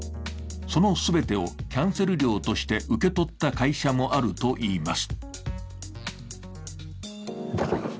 その全てをキャンセル料として受け取った会社もあるといいます。